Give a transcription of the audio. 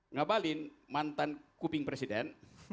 ngabalin mantan kuping presiden